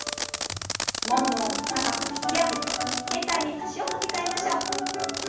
ももを高く引き上げて軽快に足を踏み替えましょう。